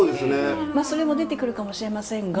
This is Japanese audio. まあそれも出てくるかもしれませんが。